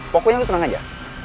pokoknya lo tenang aja